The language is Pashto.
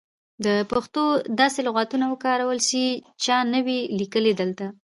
د پښتو داسې لغاتونه وکاروئ سی چا نه وې لیکلي دلته.